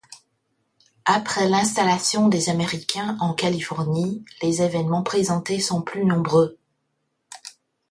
Après l'installation des américains en Californie, les évènements présentés sont plus nombreux.